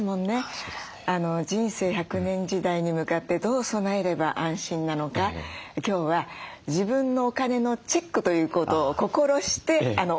人生１００年時代に向かってどう備えれば安心なのか今日は自分のお金のチェックということを心してお勉強したいと思ってます。